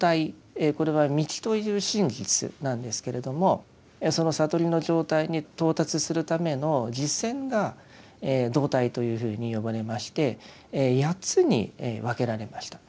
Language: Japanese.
これは「道」という真実なんですけれどもその悟りの状態に到達するための実践が道諦というふうに呼ばれまして八つに分けられました。